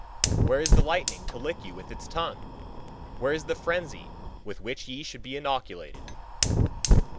Where is the lightning to lick you with its tongue? Where is the frenzy with which ye should be inoculated?